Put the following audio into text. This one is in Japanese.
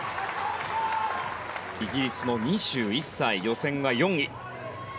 イギリスの２１歳予選は４位。